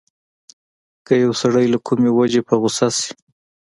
که يو سړی له کومې وجې په غوسه شي.